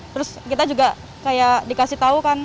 terus kita juga kayak dikasih tahu kan